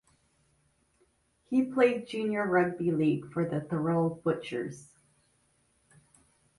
He played junior rugby league for the Thirroul Butchers.